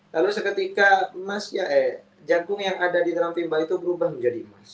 lalu seketika masya eh jagung yang ada di dalam timbah itu berubah menjadi emas